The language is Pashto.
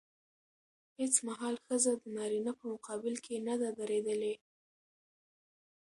هېڅ مهال ښځه د نارينه په مقابل کې نه ده درېدلې.